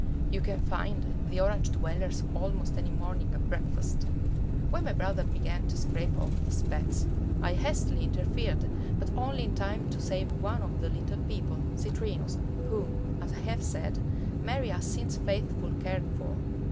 You can find the Orange dwellers almost any morning at breakfast. When my brother began to scrape off the specks, I hastily interfered, but only in time to save one of the little people, Citrinus, whom, as I have said, Mary has since faithfully cared for.